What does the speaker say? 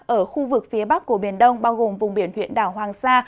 ở khu vực phía bắc của biển đông bao gồm vùng biển huyện đảo hoàng sa